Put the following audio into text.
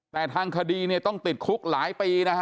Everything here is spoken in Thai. แต่ทางคดีเนี่ยต้องติดคุกหลายปีนะฮะ